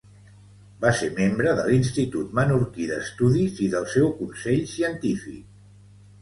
Va ser membre de l'Institut Menorquí d'Estudis i del seu Consell Científic.